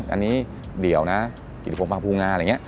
อันนี้เดี่ยวนะกิจกรมภาพภูงาอะไรอย่างนี้